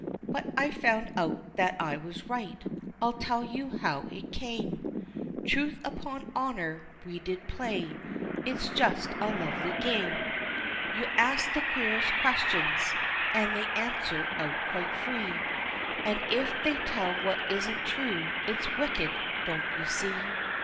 But I found out that I was right I'll tell you how it came, Truth upon Honor, we did play it's just a lovely game, You ask the queerest questions and they answer out quite free, And if they tell what isn't true, it's wicked, don't you see?